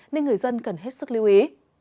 nên người dân cần hết sức lưu ý